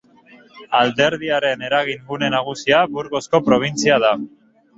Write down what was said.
Alderdiaren eragin gune nagusia Burgosko probintzia da.